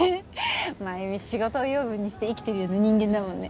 繭美仕事を養分にして生きてるような人間だもんね。